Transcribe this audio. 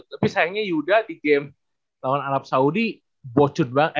tapi sayangnya yuda di game lawan arab saudi bocut banget